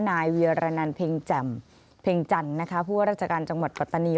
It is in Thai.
นายเวียรนันเพ็งแจ่มเพ็งจันทร์นะคะผู้ว่าราชการจังหวัดปัตตานี